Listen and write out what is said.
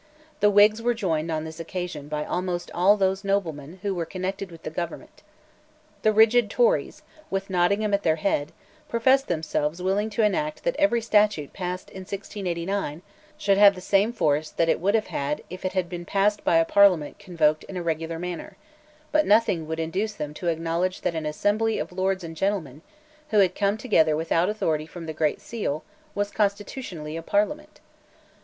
The Whigs were joined on this occasion by almost all those noblemen who were connected with the government. The rigid Tories, with Nottingham at their head, professed themselves willing to enact that every statute passed in 1689 should have the same force that it would have had if it had been passed by a parliament convoked in a regular manner; but nothing would induce them to acknowledge that an assembly of lords and gentlemen, who had come together without authority from the Great Seal, was constitutionally a Parliament.